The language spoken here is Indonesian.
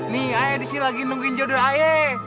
nih ayah disini lagi nungguin jodoh air